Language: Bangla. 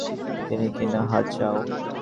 তুমি কি-না হার চাও?